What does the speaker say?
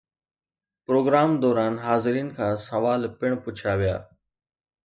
programme دوران حاضرين کان سوال پڻ پڇيا ويا